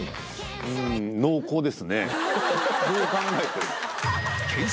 どう考えても。